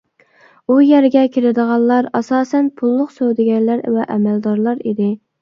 ئۇ يەرگە كىرىدىغانلار ئاساسەن پۇللۇق سودىگەرلەر ۋە ئەمەلدارلار ئىدى.